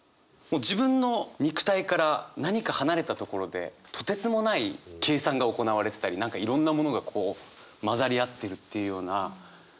自分の肉体から何か離れたところでとてつもない計算が行われてたり何かいろんなものがこう混ざり合ってるっていうような感じがね